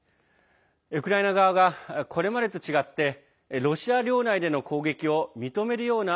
ウクライナ側がこれまでと違ってロシア領内での攻撃を認めるような